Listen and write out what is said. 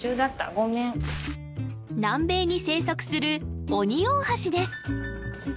ごめん南米に生息するオニオオハシです